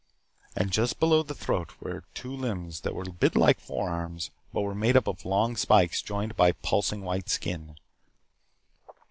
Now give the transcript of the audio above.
And just below the throat were two limbs that were a bit like forearms, but were made up of long spikes joined by pulsing white skin.